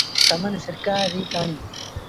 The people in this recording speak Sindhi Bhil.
سمن سرڪآر ريٚ ڪهآڻي۔